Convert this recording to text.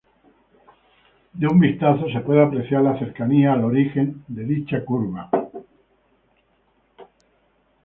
De un vistazo se puede apreciar la cercanía al origen de dicha curva.